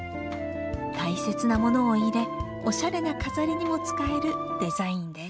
大切なものを入れおしゃれな飾りにも使えるデザインです。